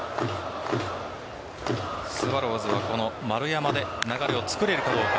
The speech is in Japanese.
スワローズはこの丸山で流れをつくれるかどうか。